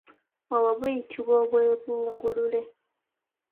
Obwo buyitibwa obwebungulule.